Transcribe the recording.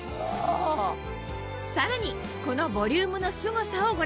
さらにこのボリュームのすごさをご覧ください